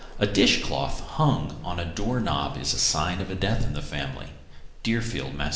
A dish cloth hung on a door knob is a sign of death in a family. _Deerfield, Mass.